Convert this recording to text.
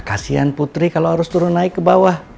kasian putri kalau harus turun naik ke bawah